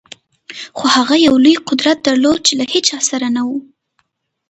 خو هغه یو لوی قدرت درلود چې له هېچا سره نه و